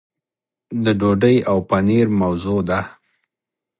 د ډوډۍ او پنیر موضوع ده.